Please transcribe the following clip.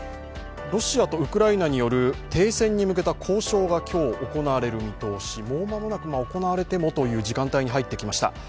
ロシアとウクライナによる停戦に向けた交渉が行われる見通し、もう間もなく行われてもという時間帯に入ってきました。